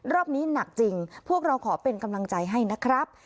รอบนี้หนักจริงพวกเราขอเป็นกำลังใจให้นะครับ